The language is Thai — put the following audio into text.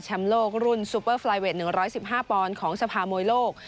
แชมป์โลกรุ่นสุปเปอร์ฟลายเวท๑๑๕ปอนด์ของสภาโมยโลก